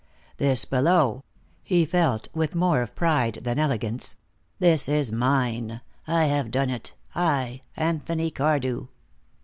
"This below," he felt, with more of pride than arrogance, "this is mine. I have done it. I, Anthony Cardew."